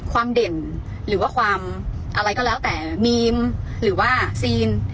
เด่นหรือว่าความอะไรก็แล้วแต่มีมหรือว่าซีน